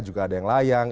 juga ada yang layang